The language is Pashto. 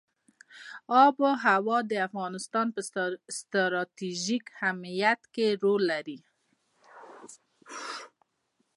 آب وهوا د افغانستان په ستراتیژیک اهمیت کې رول لري.